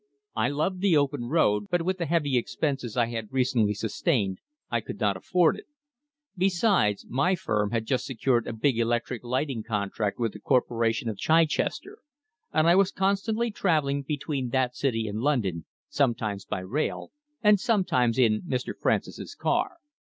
I loved the open road, but with the heavy expenses I had recently sustained I could not afford it. Besides, my firm had just secured a big electric lighting contract with the corporation of Chichester, and I was constantly travelling between that city and London, sometimes by rail and sometimes in Mr. Francis's car.